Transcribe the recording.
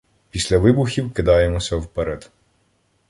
Після вибухів кидаємося вперед.